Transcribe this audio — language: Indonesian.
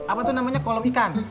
apa tuh namanya kolom ikan